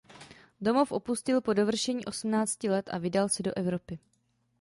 Domov opustil po dovršení osmnácti let a vydal se do Evropy.